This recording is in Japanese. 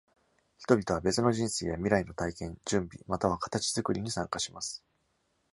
人々は別の人生や、未来の体験、準備、または形造りに参加します。